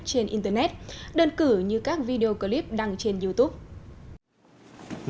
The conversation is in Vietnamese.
trên internet đơn cử như các video clip đăng trên youtube